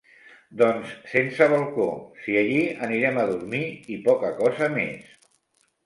Doncs sense balcó, si allí anirem a dormir i poca cosa més.